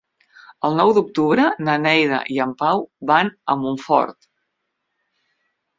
El nou d'octubre na Neida i en Pau van a Montfort.